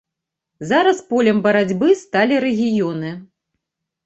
Зараз полем барацьбы сталі рэгіёны.